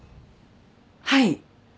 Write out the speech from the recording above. はい